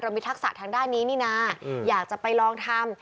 มีทักษะทางด้านนี้นี่นะอยากจะไปลองทำ